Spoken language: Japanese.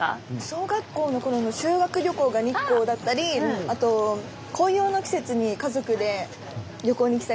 小学校の頃の修学旅行が日光だったりあと紅葉の季節に家族で旅行に来たり。